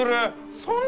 そんな！